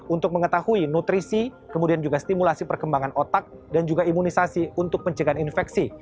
untuk mengetahui nutrisi kemudian juga stimulasi perkembangan otak dan juga imunisasi untuk pencegahan infeksi